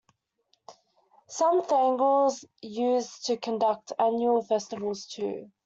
Some Thangals use to conduct Annual festivals too.